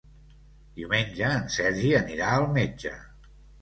Diumenge en Sergi anirà al metge.